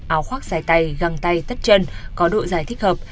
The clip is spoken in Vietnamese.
áo khoác dài tay găng tay tất chân có độ dài thích hợp